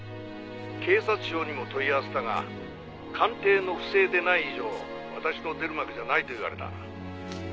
「警察庁にも問い合わせたが鑑定の不正でない以上私の出る幕じゃないと言われた」